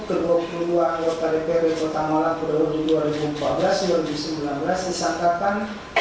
ke dua puluh dua anggota dprd kota malang periode dua ribu empat belas dua ribu sembilan belas disangkakan